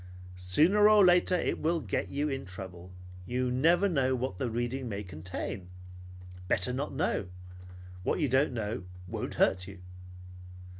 Sooner or later it will get you in trouble. You never know what the reading may contain. Better not know. What you don't know won't hurt you."